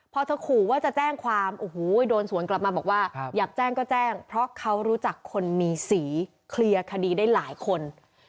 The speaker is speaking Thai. พอเธอขู่ว่าจะแจ้งความโอ้โหโดนสวนกลับมาบอกว่าอยากแจ้งก็แจ้งเพราะเขารู้จักคนมีสีเคลียร์คดีได้หลายคน